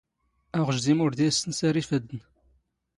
ⴰⵖⵊⴷⵉⵎ ⵓⵔ ⴷⴰ ⵉⵙⵙⵏⵙⴰⵔ ⵉⴼⴰⴷⴷⵏ